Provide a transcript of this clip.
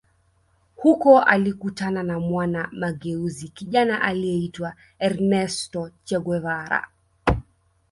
Huko alikutana na mwana mageuzi kijana aliyeitwa Ernesto Che Guevara